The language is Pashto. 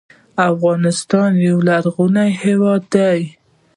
افغانستان یو لرغونی هیواد دی